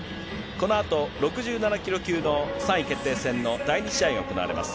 このあと、６７キロ級の３位決定戦の第２試合が行われます。